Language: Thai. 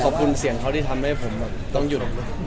ขอบคุณเสียงเค้าที่ทำให้ผมต้องหยุด